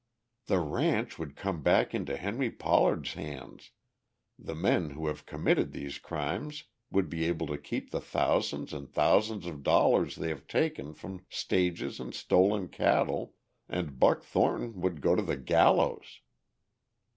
"The ranch would come back into Henry Pollard's hands, the men who have committed these crimes would be able to keep the thousands and thousands of dollars they have taken from stages and stolen cattle, and Buck Thornton would go to the gallows!"